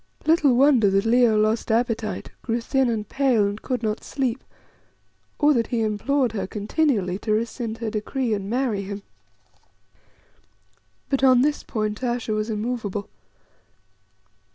Little wonder that Leo lost appetite, grew thin and pale, and could not sleep, or that he implored her continually to rescind her decree and marry him. But on this point Ayesha was immovable.